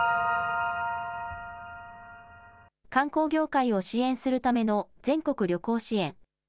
観光業界を支援するための全国旅行支援。